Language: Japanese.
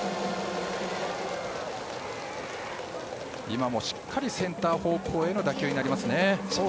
今もしっかりセンター方向への打球になりますね。